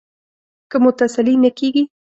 که مو تسلي نه کېږي.